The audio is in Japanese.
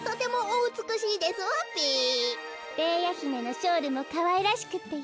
ベーヤひめのショールもかわいらしくってよ。